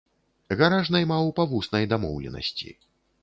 Гараж наймаў па вуснай дамоўленасці.